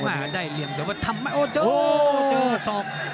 ไม่ได้เลี่ยงเดี๋ยวว่าทำไม่โอ้โห